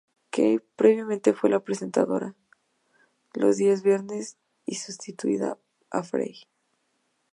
Kay previamente fue la presentadora los días viernes y sustituía a Frei.